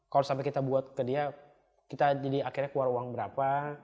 kalau sampai kita buat ke dia kita jadi akhirnya keluar uang berapa